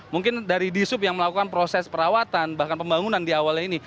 mungkin dari disub yang melakukan proses perawatan bahkan pembangunan di awalnya ini